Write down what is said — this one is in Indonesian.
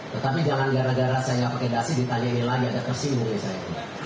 tetapi jangan gara gara saya tidak pakai dasi ditanyain lagi ada tersimbungan saya